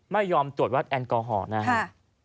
ไม่ยอมตรวจวัดแอลกอฮอล์นะครับ